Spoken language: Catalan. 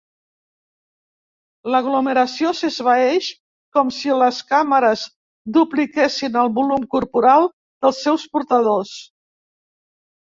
L'aglomeració s'esvaeix, com si les càmeres dupliquessin el volum corporal dels seus portadors.